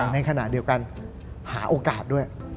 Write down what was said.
ในขณะเดียวกันหาโอกาสด้วย